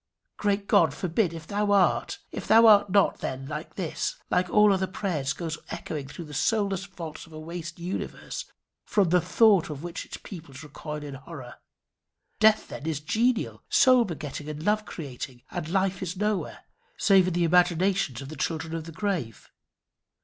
Great God, forbid if thou art. If thou art not, then this, like all other prayers, goes echoing through the soulless vaults of a waste universe, from the thought of which its peoples recoil in horror. Death, then, is genial, soul begetting, and love creating; and Life is nowhere, save in the imaginations of the children of the grave.